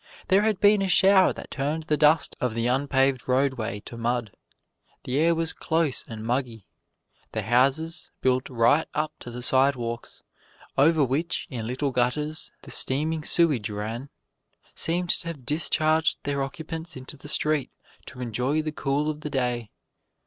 There had been a shower that turned the dust of the unpaved roadway to mud. The air was close and muggy. The houses, built right up to the sidewalks, over which, in little gutters, the steaming sewage ran, seemed to have discharged their occupants into the street to enjoy the cool of the day.